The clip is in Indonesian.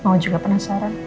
mau juga penasaran